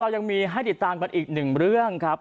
ยังมีให้ติดตามกันอีกหนึ่งเรื่องครับ